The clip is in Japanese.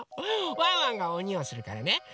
ワンワンがおにをするからねだから。